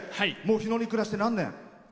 日野に暮らして何年？